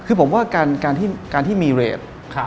คือผมว่าการที่มีเรท